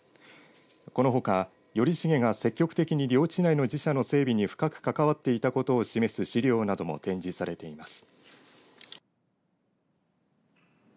このほか頼重が積極的に利用地代の自社の整備に深く関わっていたことを示す資料なども展示されています。